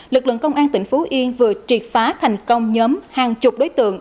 lực lượng công an tỉnh phú yên vừa triệt phá thành công nhóm hàng chục đối tượng